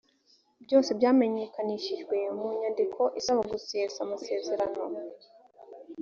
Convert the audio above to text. byose byamenyekanishijwe mu nyandiko isaba gusesa amasezerano